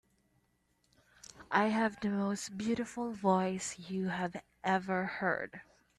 I have the most beautiful voice you have ever heard.